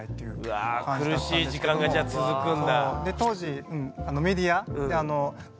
うわぁ苦しい時間が続くんだ。